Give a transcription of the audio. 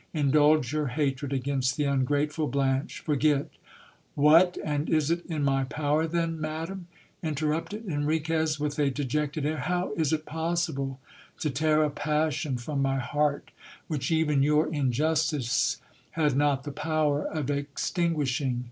Indulge your hatred against the ungrateful Blanche .... Forget .... What ! and is it in my power then, madam ? interrupted Enriquez with a de jected air : how is it possible to tear a passion from my heart, which even your injustice had not the power of extinguishing?